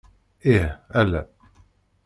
Ih, ala.